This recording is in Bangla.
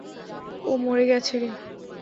ও মরে গেছে রে।